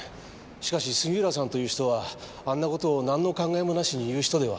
しかし杉浦さんという人はあんな事を何の考えもなしに言う人では。